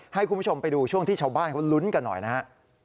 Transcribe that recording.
ให้คุณผู้ชมไปดูช่วงที่ชาวบ้านเขาลุ้นกันหน่อยนะฮะ